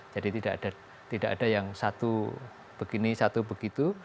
jadi tidak ada yang satu begini satu begitu